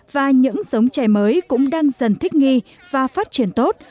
và những sống trè mới cũng đang dần thích nghi và phát triển tốt